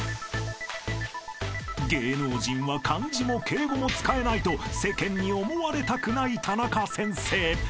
［芸能人は漢字も敬語も使えないと世間に思われたくないタナカ先生］